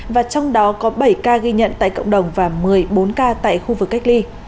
và trong đó có bảy ca ghi nhận tại cộng đồng và một mươi bốn ca tại khu vực cách ly